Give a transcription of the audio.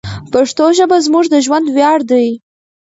پښتو ژبه زموږ د ژوند ویاړ دی.